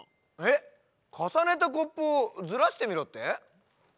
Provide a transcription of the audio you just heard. えっかさねたコップをずらしてみろって？